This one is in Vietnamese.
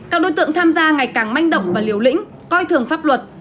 các đối tượng tham gia ngày càng manh động và liều lĩnh coi thường pháp luật